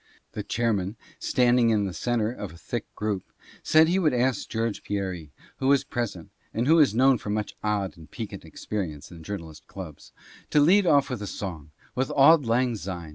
The chairman, standing in the centre of a thick group, said he would ask George Pierie, who was pres ent (and who is known for much odd and piquant experience in journalist clubs) to lead off with a song — with "Auld Lang Syne."